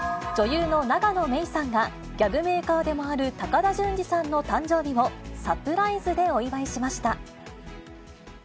女優の永野芽郁さんが、ギャグメーカーでもある高田純次さんの誕生日をサプライズでお祝いしました。